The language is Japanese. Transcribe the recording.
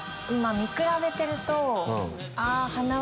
見比べてると。